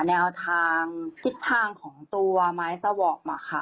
แนวทางทิศทางของตัวไม้สวอปค่ะ